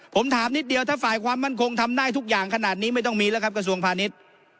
ผมถามนิดเดียวถ้าฝ่ายความมั่นคงทำได้ทุกอย่างขนาดนี้ไม่ต้องมีแล้วครับกระทรวงพาณิชย์